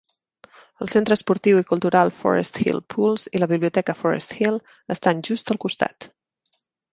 El centre esportiu i cultural Forest Hill Pools i la biblioteca Forest Hill estan just al costat.